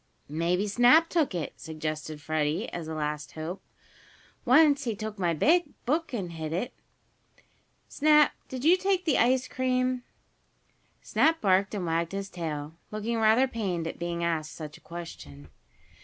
"Maybe Snap took it," suggested Freddie, as a last hope. "Once he took my book and hid it. Snap, did you take the ice cream?" Snap barked and wagged his tail, looking rather pained at being asked such a question.